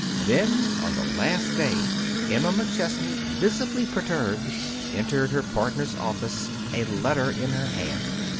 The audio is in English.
Then, on the last day, Emma McChesney, visibly perturbed, entered her partner's office, a letter in her hand.